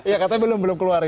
ya katanya belum keluar